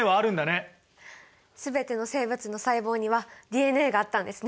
全ての生物の細胞にはＤＮＡがあったんですね！